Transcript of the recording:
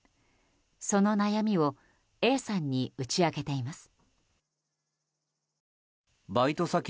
その悩みをＡさんに打ち明けています。